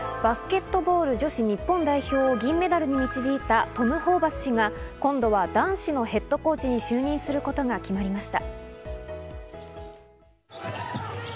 バスケットボール女子日本代表を銀メダルに導いたトム・ホーバス氏が今度は男子のヘッドコーチに就任することが決まりました。